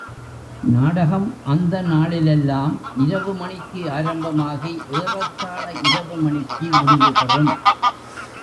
நாடகம் அந்த நாளிலெல்லாம் இரவு மணிக்கு ஆரம்பமாகி ஏறத்தாழ இரவு மணிக்கு முடிவுபெறும்.